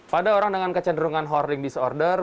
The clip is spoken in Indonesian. pada orang dengan kecenderungan hoarding disorder